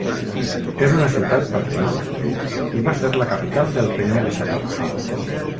És una ciutat patrimoni i va ser la capital del regne de Satavahana.